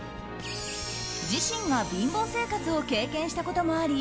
自身が貧乏生活を経験したこともあり